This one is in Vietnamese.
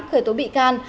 khởi tố bị can